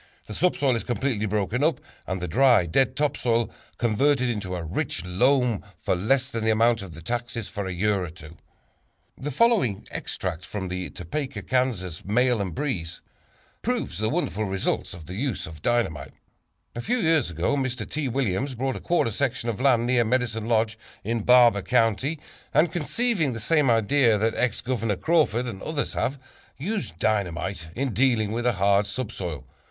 The subsoil is completely broken up and the dry, dead top soil converted into a rich loam for less than the amount of the taxes for a year or two. The following extract from the Topeka, Kansas, "Mail and Breeze" proves the wonderful results of this use of dynamite: "A few years ago M. T. Williams bought a quarter section of land near Medicine Lodge in Barber County, and, conceiving the same idea that Ex Governor Crawford and others have, used dynamite in dealing with a hard subsoil.